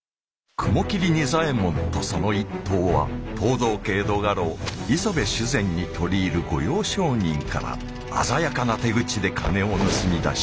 雲霧仁左衛門とその一党は藤堂家江戸家老磯部主膳に取り入る御用商人から鮮やかな手口で金を盗み出した。